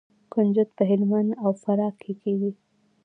کنجد په هلمند او فراه کې کیږي.